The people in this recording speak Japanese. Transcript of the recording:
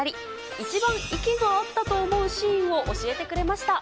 一番息が合ったと思うシーンを教えてくれました。